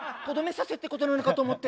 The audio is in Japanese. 刺せってことなのかと思って。